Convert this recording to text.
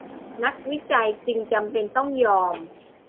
นักวิจัยจึงจำเป็นต้องยอม